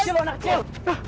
kecil anak kecil